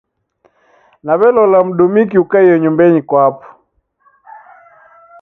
Naw'elola mdumiki ukaie nyumbenyi kwapo.